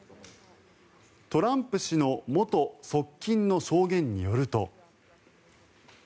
トランプ氏の元側近の証言によると。